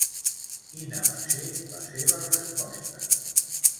Quina va ser la seva resposta?